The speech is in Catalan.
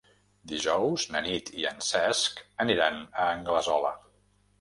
Dijous na Nit i en Cesc aniran a Anglesola.